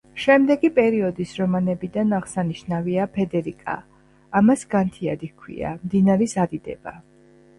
შემდეგი პერიოდის რომანებიდან აღსანიშნავია: „ფედერიკა“, „ამას განთიადი ჰქვია“, „მდინარის ადიდება“.